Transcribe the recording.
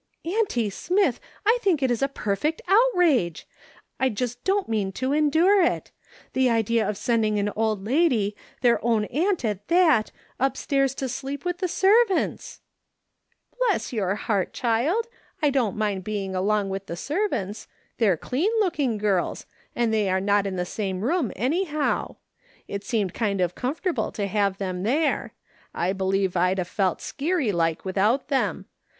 " Auntie Smith, I think it is a perfect outrage ! I just don't mean to* endure it. The idea of sending an old lady, their own aunt at that, upstairs to sleep with the servants !"" Bless your heart, child ! I don't mind being along with the servants ; they're clean looking girls, and they are not in the same room, anyhow ; it seemed kind of comfortable to have them there ; I believe I'd a felt skeery like without them.